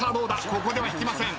ここでは引きません。